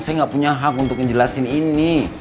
saya nggak punya hak untuk ngejelasin ini